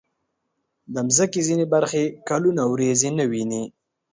د مځکې ځینې برخې کلونه وریځې نه ویني.